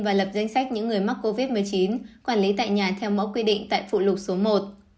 và lập danh sách những người mắc covid một mươi chín quản lý tại nhà theo mẫu quy định tại phụ lục số một